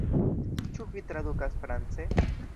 Ĉu vi tradukas france?